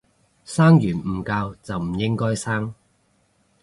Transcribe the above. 生完唔教就唔應該生